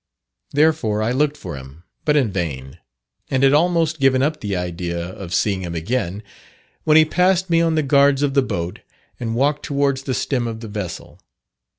Therefore, I looked for him, but in vain; and had almost given up the idea of seeing him again, when he passed me on the guards of the boat and walked towards the stem of the vessel.